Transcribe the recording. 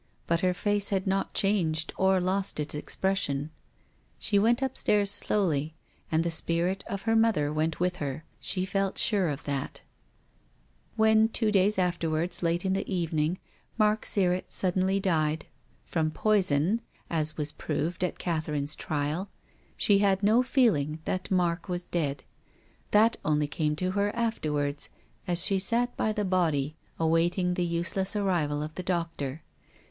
But her face had not changed or lost its expression. She went up stairs slowly. And the spirit of her mother went with her. She felt sure of that. •••••• When two days afterwards, late in the evening, " WILLIAM FOSTER." l8l Mark Sirrett suddenly died, — from poison, as was proved at Catherine's trial — she had no feel ing that Mark was dead. That only came to her afterwards, as she sat by the body, awaiting the useless arrival of the doctor.